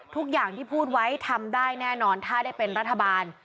ทุกอย่างที่พูดไว้ทำได้แน่นอนถ้าได้เป็นรัฐบาล